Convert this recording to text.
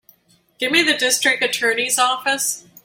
Give me the District Attorney's office.